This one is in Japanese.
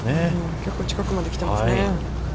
結構近くまできてますね。